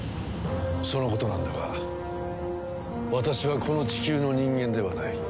そのことなんだが私はこの地球の人間ではない。